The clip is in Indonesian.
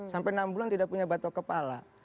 sampai enam bulan tidak punya batok kepala